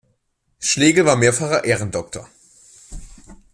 Schlegel war mehrfacher Ehrendoktor.